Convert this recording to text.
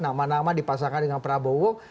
nama nama dipasangkan dengan prabowo